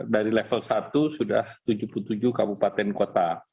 dari level satu sudah tujuh puluh tujuh kabupaten kota